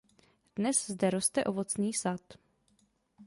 Dnes zde roste ovocný sad.